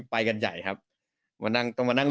ไปกันใหญ่ครับต้องมานั่ง